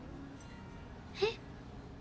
えっ？